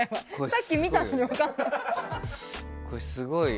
さっき見たのに分かんない。